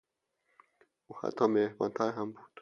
او حتی مهربانتر هم بود.